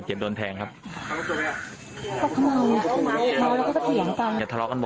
อ๋อเหรอ